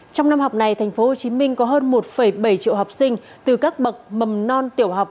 trong năm học này thành phố hồ chí minh có hơn một bảy triệu học sinh từ các bậc mầm non tiểu học